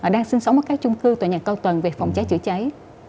đang sinh sống ở các chung cư tòa nhà cao tầng về phòng cháy chữa cháy